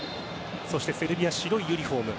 そしてセルビア、白いユニホーム。